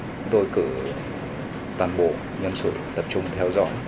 lần này chúng tôi cử toàn bộ nhân sự tập trung theo dõi